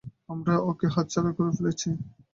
আমরা ওকে হাতছাড়া করে ফেলেছি।